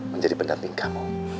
menjadi pendamping kamu